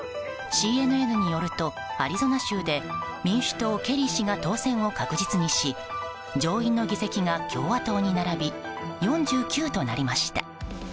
ＣＮＮによると、アリゾナ州で民主党、ケリー氏が当選を確実にし上院の議席が共和党に並び４９となりました。